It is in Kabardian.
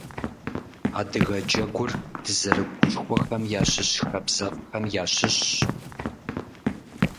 Адыгэ джэгур дызэрыгушхуэхэм ящыщ хабзэфӏхэм ящыщщ.